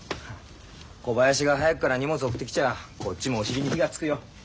小林が早くから荷物送ってきちゃこっちもおしりに火がつくよ。